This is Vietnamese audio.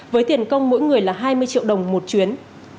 với tiền công mỗi người là hai mươi triệu đồng một chuyến